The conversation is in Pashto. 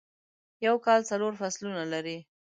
یوکال څلور فصلونه لری